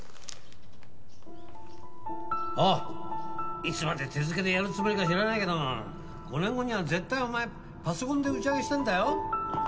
いつまで手付けでやるつもりか知らないけど５年後には絶対お前パソコンで打ち上げしてんだよ。